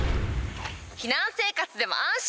避難生活でも安心！